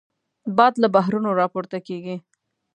باد له بحرونو راپورته کېږي